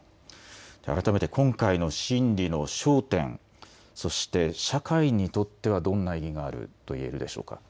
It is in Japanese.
改めて今回の審理の焦点、そして社会にとってはどんな意義があると言えるでしょうか。